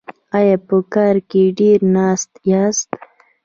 ایا په کار کې ډیر ناست یاست؟